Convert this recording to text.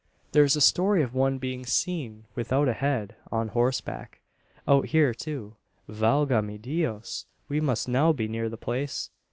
"There is a story of one being seen without a head on horseback out here too. Valga me Dios! we must now be near the place?